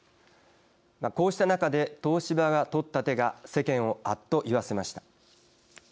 こうした中で東芝がとった手が世間を、あっと言わせました。